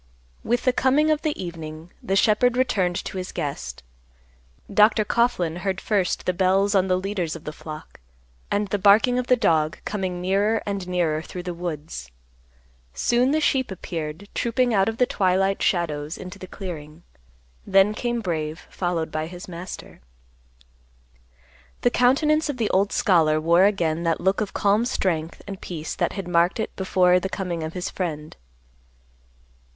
With the coming of the evening, the shepherd returned to his guest. Dr. Coughlan heard first the bells on the leaders of the flock, and the barking of the dog coming nearer and nearer through the woods. Soon the sheep appeared trooping out of the twilight shadows into the clearing; then came Brave followed by his master. The countenance of the old scholar wore again that look of calm strength and peace that had marked it before the coming of his friend.